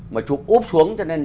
mà chụp úp xuống cho nên